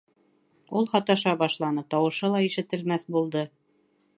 Ул һаташа башланы, тауышы ла ишетелмәҫ булды.